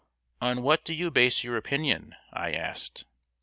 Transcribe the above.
"On what do you base your opinion?" I asked.